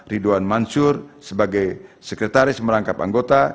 ridwan mansur sebagai sekretaris merangkap anggota